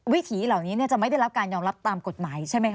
วิถีเหล่านี้จะไม่ได้รับการยอมรับตามกฎหมายใช่ไหมค